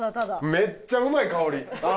めっちゃうまい香りあ！